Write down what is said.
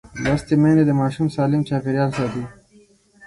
لوستې میندې د ماشوم سالم چاپېریال ساتي.